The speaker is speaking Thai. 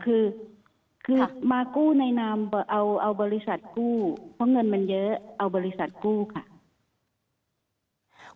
คือมากู้ในนามเอาบริษัทกู้เพราะเงินมันเยอะเอาบริษัทกู้ค่ะ